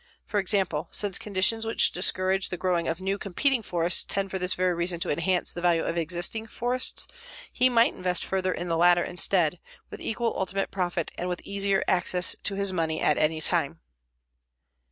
For example, since conditions which discourage the growing of new competing forests tend for this very reason to enhance the value of existing forests, he might invest further in the latter instead, with equal ultimate profit and with easier access to his money at any time.